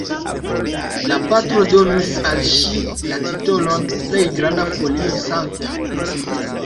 La patro donis al ŝi la titolon "Plejgranda Folio Sankta".